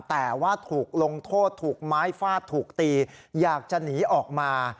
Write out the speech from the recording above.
แต่ว่าถูกลงโทษถูกไม้ฟาดถูกตีอยากจะหนีออกมา